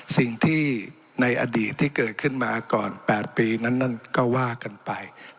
สิ่งที่ในอดีตที่เกิดขึ้นมาก่อน๘ปีนั้นก็ว่ากันไป